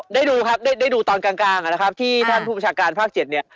ได้ดูครับได้ดูตอนกลางนะครับที่ท่านผู้ประชาการภาค๗เนี่ย